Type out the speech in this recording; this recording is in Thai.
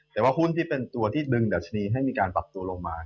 แต่ว่าหุ้นที่เป็นตัวที่ดึงดัชนีให้มีการปรับตัวลงมา